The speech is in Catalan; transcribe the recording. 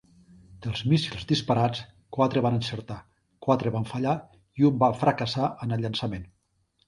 Dels míssils disparats, quatre van encertar, quatre van fallar i un va fracassar en el llançament.